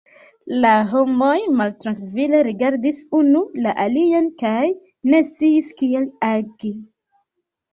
La homoj maltrankvile rigardis unu la alian kaj ne sciis kiel agi.